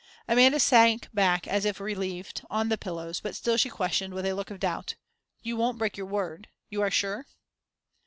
Amanda sank back as if relieved, on the pillows, but still she questioned, with a look of doubt. "You won't break your word. You are sure?"